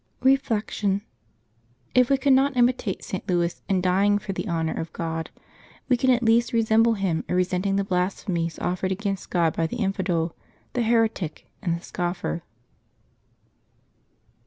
Reflection. — If we cannot imitate St. Louis in dying for the honor of God, we can at least resemble him in resent ing the blasphemies offered against God by the infidel, the heretic, and the scoffer.